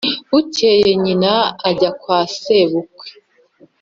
Bukeye nyina ajya kwa sebukwe